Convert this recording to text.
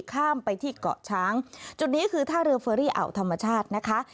ข้ามไปที่เกาะช้างจุดนี้คือท่าเรือเฟอรี่อ่าวธรรมชาตินะคะ